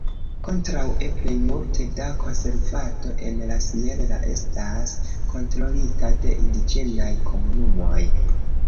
Kontraŭe, plejmulte da konservado en la Sierra estas kontrolita de indiĝenaj komunumoj.